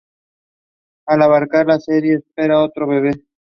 Al acabar la serie esperaba otro bebe.